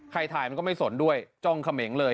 ถ่ายมันก็ไม่สนด้วยจ้องเขมงเลย